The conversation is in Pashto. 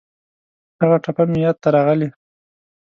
هغه ټپه مې یاد ته راغلې.